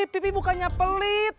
pipi bukannya pelit